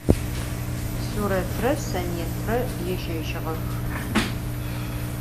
Suretre Sanêtre yêjejığex.